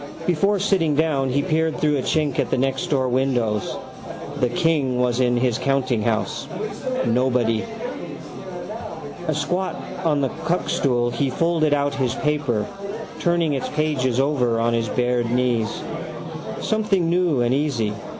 Before sitting down he peered through a chink up at the nextdoor windows. The king was in his countinghouse. Nobody. Asquat on the cuckstool he folded out his paper, turning its pages over on his bared knees. Something new and easy.